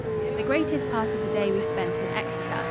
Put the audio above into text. The greatest part of the day we spent in Exeter.